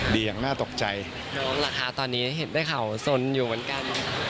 อย่างน่าตกใจน้องล่ะคะตอนนี้เห็นได้ข่าวสนอยู่เหมือนกัน